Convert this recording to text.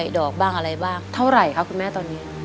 ดอกบ้างอะไรบ้างเท่าไหร่คะคุณแม่ตอนนี้